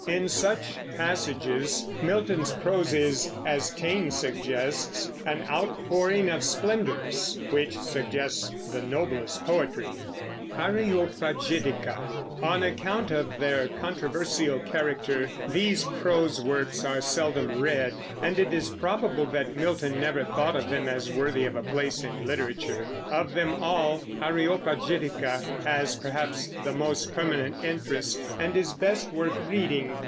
In such passages Milton's prose is, as Taine suggests, "an outpouring of splendors," which suggests the noblest poetry. On account of their controversial character these prose works are seldom read, and it is probable that Milton never thought of them as worthy of a place in literature. Of them all Areopagitica has perhaps the most permanent interest and is best worth reading.